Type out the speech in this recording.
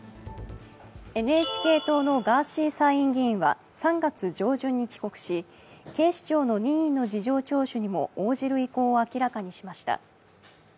ＮＨＫ党のガーシー参院議員は３月上旬に帰国し、警視庁の任意の事情聴取にも応じる意向を明らかにしました。